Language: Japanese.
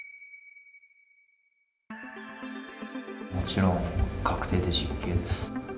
もちろん確定で実刑です。